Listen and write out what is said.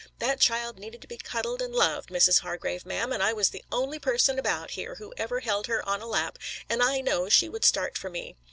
That child needed to be cuddled and loved, Mrs. Hargrave, ma'am, and I was the only person about here who ever held her on a lap, and I know she would start for me.